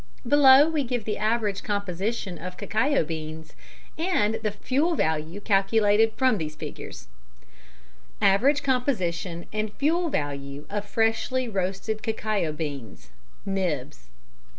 Below we give the average composition of cacao beans and the fuel value calculated from these figures: AVERAGE COMPOSITION AND FUEL VALUE OF FRESHLY ROASTED CACAO BEANS (NIBS).